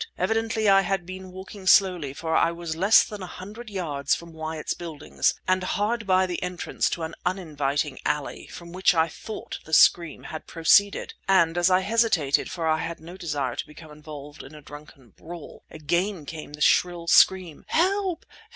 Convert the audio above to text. Evidently I had been walking slowly, for I was less than a hundred yards from Wyatt's Buildings, and hard by the entrance to an uninviting alley from which I thought the scream had proceeded. And as I hesitated, for I had no desire to become involved in a drunken brawl, again came the shrill scream: "Help!